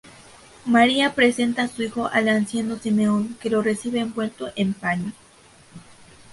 María presenta a su hijo al anciano Simeón que lo recibe envuelto en paños.